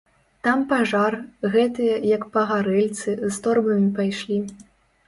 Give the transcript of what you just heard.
Там пажар, гэтыя, як пагарэльцы, з торбамі пайшлі.